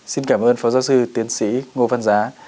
xin cảm ơn phó giáo sư tiến sĩ ngô văn giá